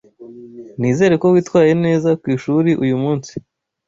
Nizere ko witwaye neza kwishuri uyumunsi.